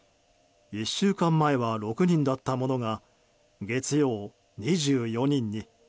１週間前は６人だったものが月曜、２４人に。